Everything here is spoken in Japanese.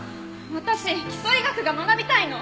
私基礎医学が学びたいの。